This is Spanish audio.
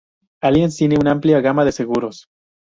Allianz tiene una amplia gama de seguros.